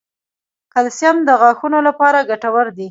کلسیم د غاښونو لپاره ګټور دی